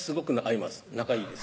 仲いいです